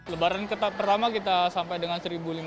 lebaran pertama kita sampai dengan satu lima ratus